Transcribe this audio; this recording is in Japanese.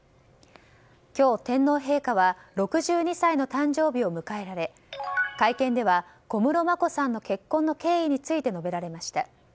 今日、天皇陛下は６２歳の誕生日を迎えられ会見では小室眞子さんの結婚の経緯について述べられました。